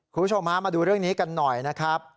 คุณผู้ชมฮะมาดูเรื่องนี้กันหน่อยนะครับ